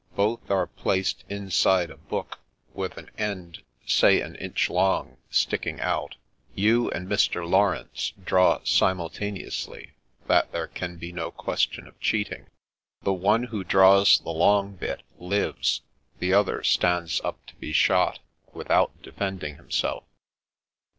Both are placed inside a book, with an end, say an inch long, sticking out. You and Mr. Laurence draw simultaneously, that there can be no question of cheating. The one who draws the long bit lives — ^the other stands up to be shot, with out defending himself."